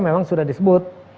memang sudah disebut